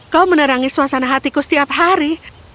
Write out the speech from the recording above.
kau menerangi suasana hatiku setiap hari